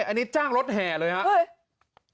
อันนี้จ้างรถแห่เลยครับ